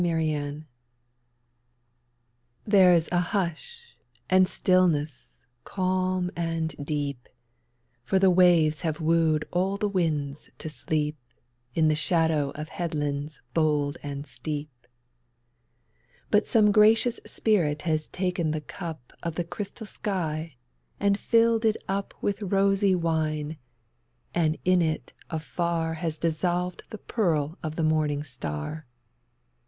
8 Autoplay There's a hush and stillness calm and deep, For the waves have wooed all the winds to sleep In the shadow of headlands bold and steep; But some gracious spirit has taken the cup Of the crystal sky and filled it up With rosy wine, and in it afar Has dissolved the pearl of the morning star.